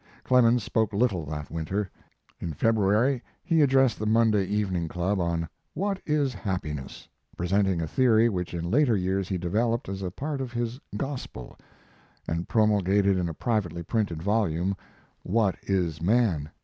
Clemens spoke little that winter. In February he addressed the Monday Evening Club on "What is Happiness?" presenting a theory which in later years he developed as a part of his "gospel," and promulgated in a privately printed volume, 'What is Man'?